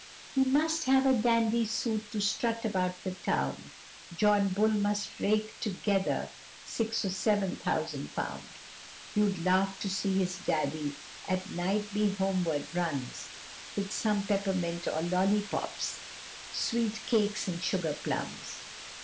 He must have a dandy suit to strut about the town. John Bull must rake together six or seven thousand pound, You'd laugh to see his daddy, at night he homeward runs, With some peppermint or lollipops, sweet cakes and sugar plums.